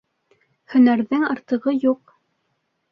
Һөнәрҙең артығы юҡ.